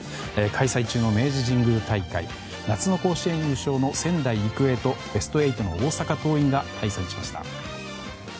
開催中の明治神宮大会夏の大会優勝の仙台育英とベスト８の大阪桐蔭が対戦しました。